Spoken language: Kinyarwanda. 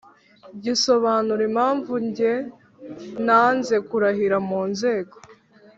gisobanura impamvu njye nanze kurahira mu nzego